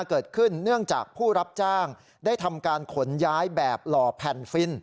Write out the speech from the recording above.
เนื่องจากผู้รับจ้างได้ทำการขนย้ายแบบหล่อแผ่นฟิน